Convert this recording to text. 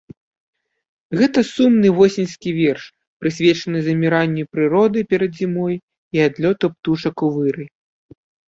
Гэта сумны восеньскі верш, прысвечаны заміранню прыроды перад зімой і адлёту птушак у вырай.